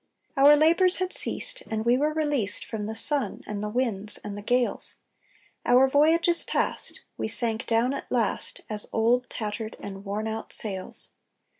Our labours had ceased, and we were released From the sun and the winds and the gales, Our voyages passed, we sank down at last As old, tattered, and worn out sails.